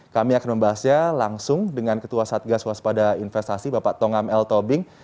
kami akan membahasnya langsung dengan ketua satgas waspada investasi bapak tongam l tobing